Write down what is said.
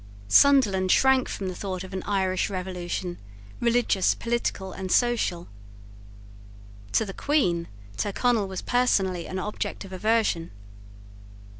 Sunderland shrank from the thought of an Irish revolution, religious, political, and social. To the Queen Tyrconnel was personally an object of aversion.